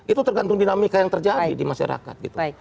itu tergantung dinamika yang terjadi di masyarakat gitu